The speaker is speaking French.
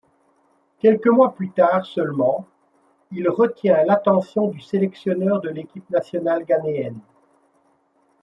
Quelques mois plus tard seulement, il retient l'attention du sélectionneur de l'équipe nationale ghanéenne.